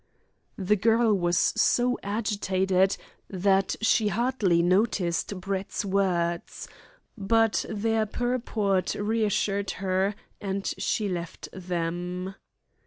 The girl was so agitated that she hardly noticed Brett's words. But their purport reassured her, and she left them.